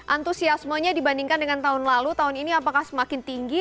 antusiasmenya dibandingkan dengan tahun lalu tahun ini apakah semakin tinggi